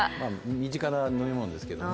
身近な飲み物ですけどね。